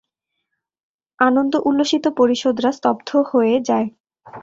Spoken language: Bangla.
আনন্দ উল্লসিত পরিষদরা স্তব্ধ হয়ে যায়।